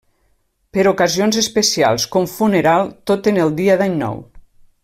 Per ocasions especials, com funeral tot en el dia d'Any Nou.